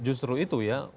justru itu ya